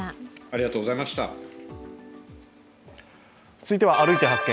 続いては「歩いて発見！